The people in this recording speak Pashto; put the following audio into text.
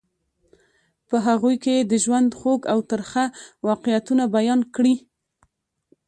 په هغوی کې یې د ژوند خوږ او ترخه واقعیتونه بیان کړي.